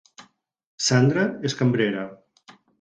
Sandra és cambrera